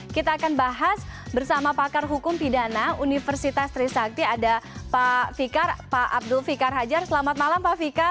kita akan bahas bersama pakar hukum pidana universitas trisakti ada pak fikar pak abdul fikar hajar selamat malam pak fikar